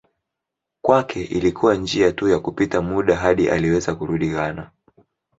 Kwake ilikuwa njia tu ya kupita muda hadi aliweza kurudi Ghana